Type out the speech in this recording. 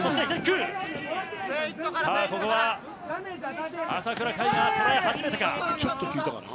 ここは朝倉海が捉え始めたか。